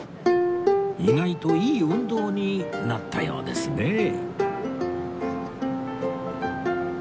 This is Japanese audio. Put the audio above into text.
意外といい運動になったようですねえ